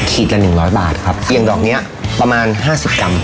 คีดละ๑๐๐บาทครับอย่างดอกเนี่ยประมาณ๕๐กรัม